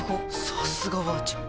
さすがばあちゃん